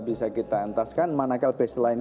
bisa kita entaskan manakah baseline